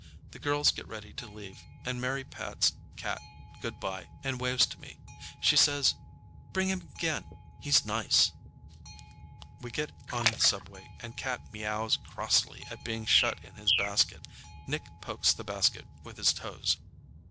The girls get ready to leave, and Mary pats Cat good bye and waves to me. She says, "Bring him again. He's nice." We get on the subway and Cat meows crossly at being shut in his basket. Nick pokes the basket with his toes.